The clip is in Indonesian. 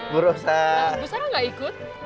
bu sara gak ikut